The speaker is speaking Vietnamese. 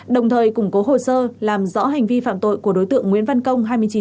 đồng thời củng cố hồ sơ làm rõ hành vi phạm tội của đối tượng nguyễn văn công hai mươi chín tuổi